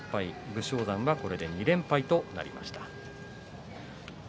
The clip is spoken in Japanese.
武将山はこれで２連敗となりました。